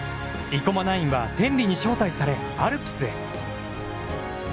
生駒ナインは、天理に招待され、アルプスへ。